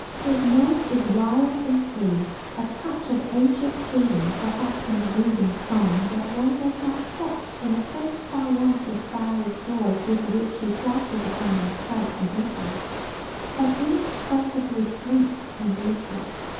His note is wild and free, a touch of anxious pleading perhaps in the brooding song that one does not catch in the first triumphant cry of joy with which he flashes upon our sight in April, but inexpressibly sweet and liquid.